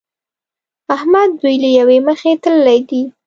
احمد دوی له يوې مخې تللي دي.